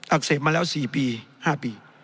อักเสบมาแล้ว๔ปี๕ปี